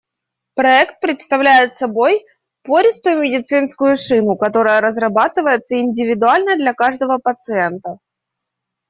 Проект представляет собой пористую медицинскую шину, которая разрабатывается индивидуально для каждого пациента.